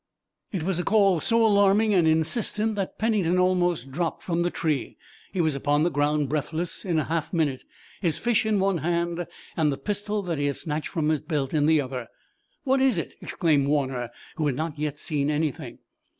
It was a call so alarming and insistent that Pennington almost dropped from the tree. He was upon the ground, breathless, in a half minute, his fish in one hand and the pistol that he had snatched from his belt in the other. "What is it?" exclaimed Warner, who had not yet seen anything.